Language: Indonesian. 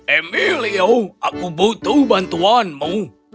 emilio aku butuh bantuanmu